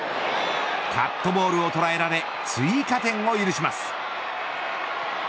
カットボールを捉えられ追加点を許します。